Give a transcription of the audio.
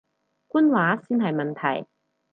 官話先係問題